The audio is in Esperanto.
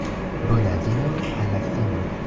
Bona vino al la fino.